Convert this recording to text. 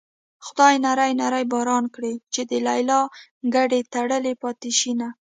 خدايه نری نری باران کړې چې د ليلا ګډې تړلې پاتې شينه